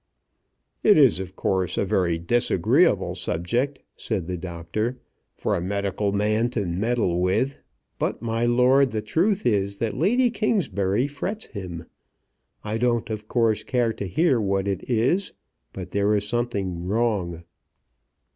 "It is, of course, a very disagreeable subject," said the doctor, "for a medical man to meddle with; but, my lord, the truth is that Lady Kingsbury frets him. I don't, of course, care to hear what it is, but there is something wrong."